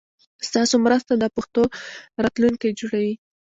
ستاسو مرسته د پښتو راتلونکی جوړوي.